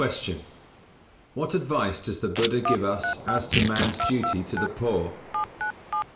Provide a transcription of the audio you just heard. Q. _What advice does the Buddha give us as to man's duty to the poor?